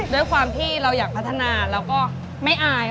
ด้วยความที่เราอยากพัฒนาเราก็ไม่อาย